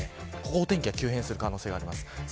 お天気が急変する可能性があります。